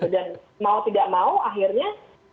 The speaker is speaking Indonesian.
mau tidak mau akhirnya